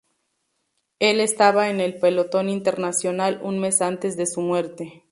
Él estaba en el pelotón internacional un mes antes de su muerte.